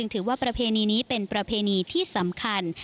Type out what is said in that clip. ถือว่าประเพณีนี้เป็นประเพณีที่สำคัญ